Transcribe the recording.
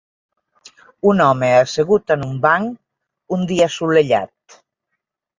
Un home assegut en un banc un dia assolellat.